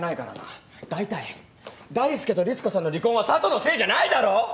だいたい大介とリツコさんの離婚は佐都のせいじゃないだろ！？